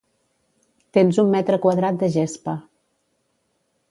Tens un metre quadrat de gespa.